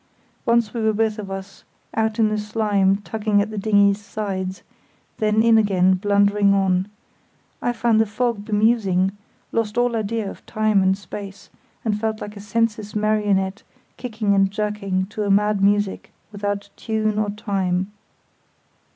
Once we were both of us out in the slime tugging at the dinghy's sides; then in again, blundering on. I found the fog bemusing, lost all idea of time and space, and felt like a senseless marionette kicking and jerking to a mad music without tune or time.